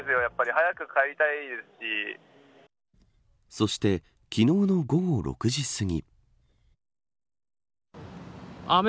そして、昨日の午後６時すぎ。